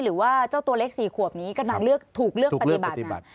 หรือว่าเจ้าตัวเล็กสี่ขวบนี้กำลังถูกเลือกปฏิบัติ